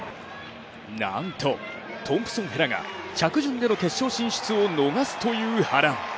なんとトンプソン・ヘラが着順での決勝進出を逃すという波乱。